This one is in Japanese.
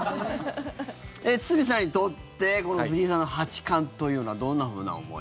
堤さんにとってこの藤井さんの八冠というのはどんなふうな思い？